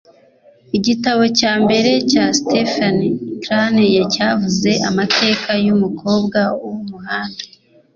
Igitabo cya mbere cya Stephen Crane cyavuze amateka y’Umukobwa wumuhanda